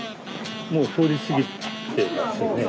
もう通り過ぎてますよね。